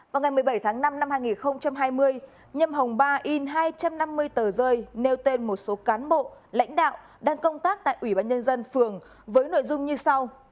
các bản bộ lãnh đạo đang công tác tại ủy ban nhân dân phường với nội dung như sau